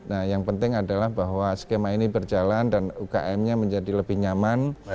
nah yang penting adalah bahwa skema ini berjalan dan ukm nya menjadi lebih nyaman